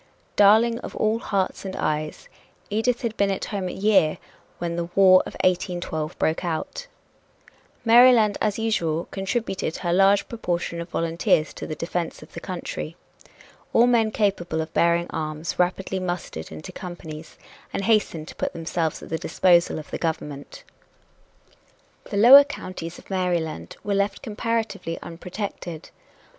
"Darling of all hearts and eyes," Edith had been at home a year when the War of 1812 broke out. Maryland, as usual, contributed her large proportion of volunteers to the defense of the country. All men capable of bearing arms rapidly mustered into companies and hastened to put themselves at the disposal of the government. The lower counties of Maryland were left comparatively unprotected.